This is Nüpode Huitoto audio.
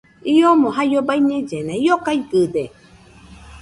Iomo jaio baiñellena, io gaigɨde